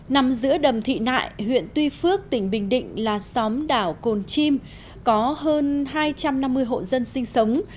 nằm giữa đầm thị nại huyện tuy phước tỉnh bình định là xóm đảo cồn chim có hơn hai trăm năm mươi hộ dân sinh sống